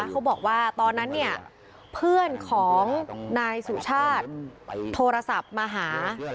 เขาบอกว่าตอนนั้นเนี่ยเพื่อนของนายสุชาติโทรศัพท์มาหา